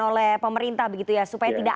oleh pemerintah supaya tidak